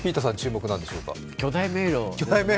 巨大迷路。